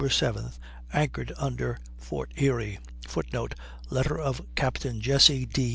7th anchored under Fort Erie. [Footnote: Letter of Captain Jesse D.